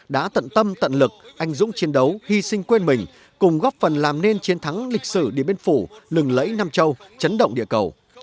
đã tận tâm tận lực anh dũng chiến đấu hy sinh quên mình cùng góp phần làm nên chiến thắng lịch sử điện biên phủ lừng lẫy nam châu chấn động địa cầu